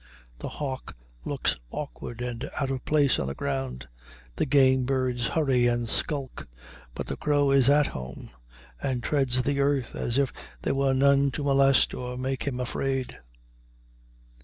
The hawk looks awkward and out of place on the ground; the game birds hurry and skulk; but the crow is at home, and treads the earth as if there were none to molest or make him afraid.